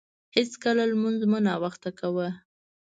هیڅکله لمونځ مه ناوخته کاوه.